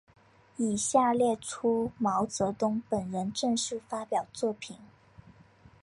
以下列出毛泽东本人正式发表作品。